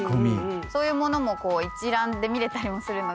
そういうものも一覧で見れたりもするので。